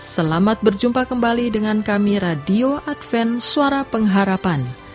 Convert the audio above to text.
selamat berjumpa kembali dengan kami radio adven suara pengharapan